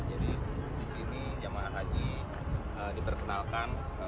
jadi di sini jemaah haji diperkenalkan